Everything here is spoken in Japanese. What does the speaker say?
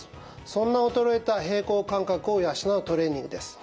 そんな衰えた平衡感覚を養うトレーニングです。